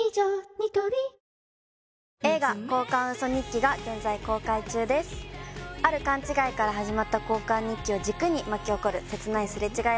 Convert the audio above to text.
ニトリ映画「交換ウソ日記」が現在公開中ですある勘違いから始まった交換日記を軸に巻き起こるせつないすれちがい